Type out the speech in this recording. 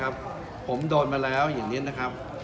ผมโดนมาแล้วอย่างนี้นะครับ